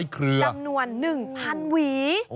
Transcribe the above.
๕๐๐เคลือโอ้โฮสมหวังจำนวน๑๐๐๐หวี